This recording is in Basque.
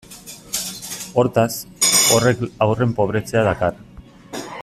Hortaz, horrek haurren pobretzea dakar.